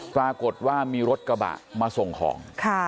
ปรากฏว่ามีรถกระบะมาส่งของ